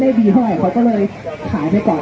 สวัสดีครับทุกคนวันนี้เกิดขึ้นทุกวันนี้นะครับ